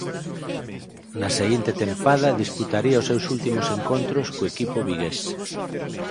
Na seguinte tempada disputaría os seus últimos encontros co equipo vigués.